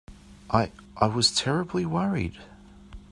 I—I was terribly worried.